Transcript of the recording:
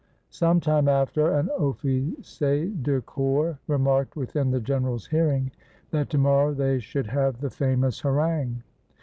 Sometime after, an officer de corps remarked within the general's hearing that to morrow they should have the famous harangue.